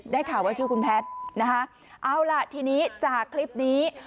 ข่าวว่าชื่อคุณแพทย์นะคะเอาล่ะทีนี้จากคลิปนี้